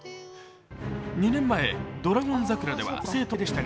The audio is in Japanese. ２年前「ドラゴン桜」では、生徒でしたが、